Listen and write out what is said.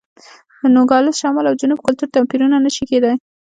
د نوګالس شمال او جنوب کلتور توپیرونه نه شي کېدای.